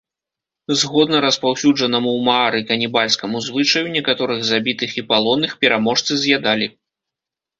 Згодна распаўсюджанаму ў маары канібальскаму звычаю, некаторых забітых і палонных пераможцы з'ядалі.